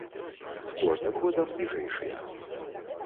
З кожным годам ніжэйшыя.